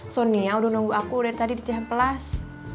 sonia udah nunggu aku dari tadi di cianplas